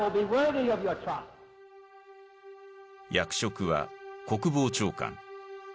役職は国防長官。